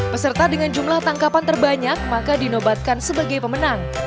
peserta dengan jumlah tangkapan terbanyak maka dinobatkan sebagai pemenang